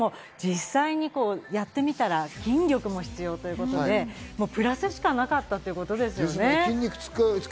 実際にやってみたら筋力も必要ということで、プラスしかなかったということですよね。